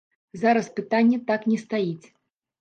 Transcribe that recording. Зараз пытанне так не стаіць.